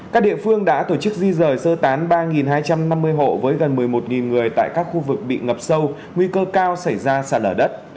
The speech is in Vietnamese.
các địa phương đã tổ chức di rời sơ tán ba hai trăm năm mươi hộ với gần một mươi một người tại các khu vực bị ngập sâu nguy cơ cao xảy ra sạt lở đất